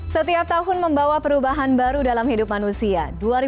setiap tahun membawa perubahan baru dalam hidup manusia